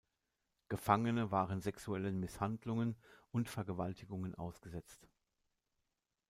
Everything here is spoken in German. Gefangene waren sexuellen Misshandlungen und Vergewaltigungen ausgesetzt.